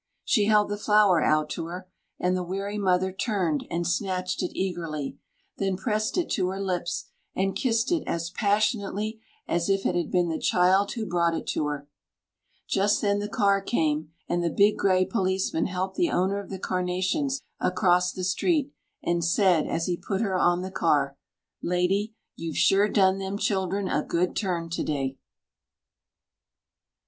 She held the flower out to her, and the weary mother turned and snatched it eagerly, then pressed it to her lips, and kissed it as passionately as if it had been the child who brought it to her. Just then the car came, and the big grey policeman helped the owner of the carnations across the street, and said as he put her on the car, "Lady, you've sure done them children a good turn to day."